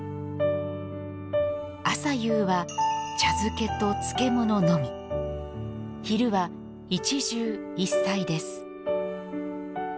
朝夕は、茶漬けと漬物のみ昼は一汁一菜です。